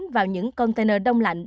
vào những container đông lạnh